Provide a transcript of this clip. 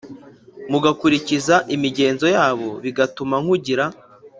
mugakurikiza imigenzo yabo bigatuma nkugira